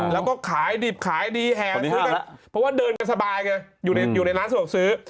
แล้วก็ขายดิบขายดีแหงเพราะว่าเดินกันสบายอยู่ในร้านส่วนบัตรซื้อ